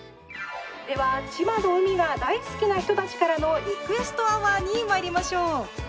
では千葉の海が大好きな人たちからのリクエストアワーにまいりましょう。